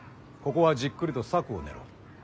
ここはじっくりと策を練ろう。